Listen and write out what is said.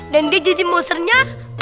dan dia jadi monsternya